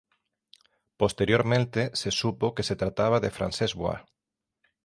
Posteriormente se supo que se trataba de Francesc Boix.